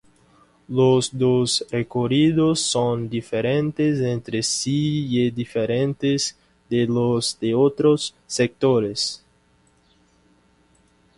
Los dos recorridos son diferentes entre sí y diferentes de los de otros sectores.